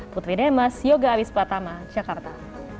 putri demas yoga aris pratama jakarta